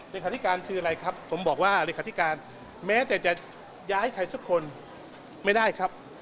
เลขาธิการคืออะไรครับผมบอกว่าเลขาธิการแม้แต่จะย้ายใครสักคนไม่ได้ครับ